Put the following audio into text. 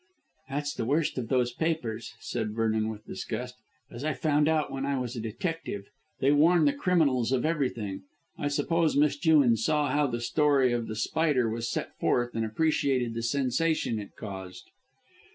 "That's the worst of those papers," said Vernon with disgust, "as I found out when I was a detective. They warn the criminals of everything. I suppose Miss Jewin saw how the whole story of The Spider was set forth and appreciated the sensation it caused."